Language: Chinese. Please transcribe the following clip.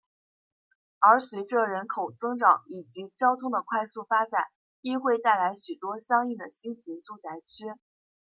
而随着人口增长以及交通的快速发展亦会带来许多相应的新型住宅区。